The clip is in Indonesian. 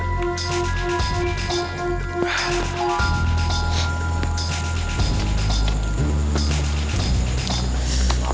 nggak usah khawatir